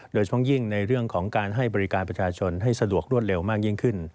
ช่วงยิ่งในเรื่องของการให้บริการประชาชนให้สะดวกรวดเร็วมากยิ่งขึ้น